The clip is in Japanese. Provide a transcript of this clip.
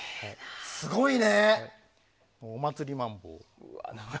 すごいね。